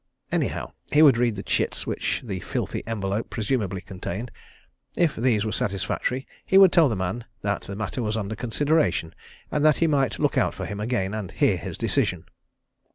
Anyhow, he would read the "chits" which the filthy envelope presumably contained. If these were satisfactory, he would tell the man that the matter was under consideration, and that he might look out for him again and hear his decision.